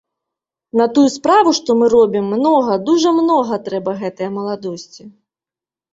На тую справу, што мы робім, многа, дужа многа трэба гэтае маладосці.